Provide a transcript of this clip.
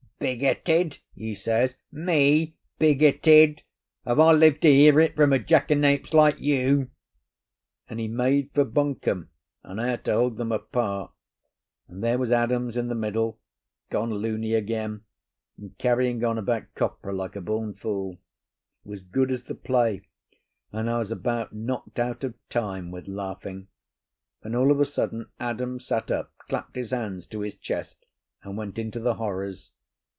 'Bigoted!' he says. 'Me bigoted? Have I lived to hear it from a jackanapes like you?' And he made for Buncombe, and I had to hold them apart; and there was Adams in the middle, gone luny again, and carrying on about copra like a born fool. It was good as the play, and I was about knocked out of time with laughing, when all of a sudden Adams sat up, clapped his hands to his chest, and went into the horrors.